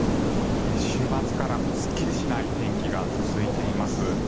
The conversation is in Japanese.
週末からすっきりしない天気が続いています。